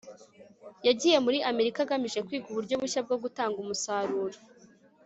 Yagiye muri Amerika agamije kwiga uburyo bushya bwo gutanga umusaruro